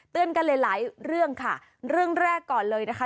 กันหลายหลายเรื่องค่ะเรื่องแรกก่อนเลยนะคะ